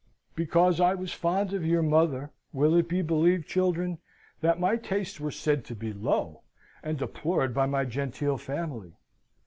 Because I was fond of your mother, will it be believed, children, that my tastes were said to be low, and deplored by my genteel family?